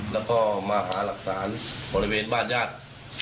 แล้วก็มหาหลักฐานบ้านญาติ